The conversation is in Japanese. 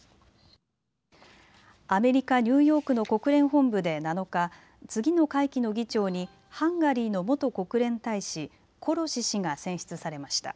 アメリカ・ニューヨークの国連本部で７日、次の会期の議長にハンガリーの元国連大使、コロシ氏が選出されました。